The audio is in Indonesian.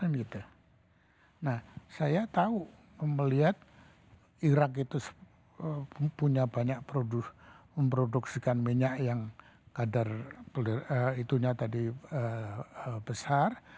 nah saya tahu melihat irak itu punya banyak memproduksikan minyak yang kadar itunya tadi besar